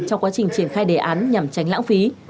để khai đề án nhằm tránh lãng phí